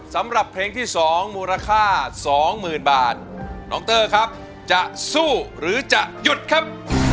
สำหรับเพลงที่๒มูลค่าสองหมื่นบาทน้องเตอร์ครับจะสู้หรือจะหยุดครับ